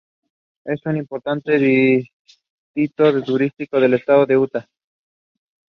Contractor.